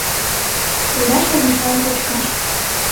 — Коля-шамычлан кочкаш.